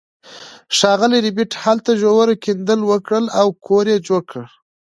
ښاغلي ربیټ هلته ژور کیندل وکړل او کور یې جوړ کړ